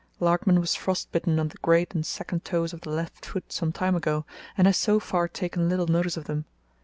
Larkman was frost bitten on the great and second toes of the left foot some time ago, and has so far taken little notice of them.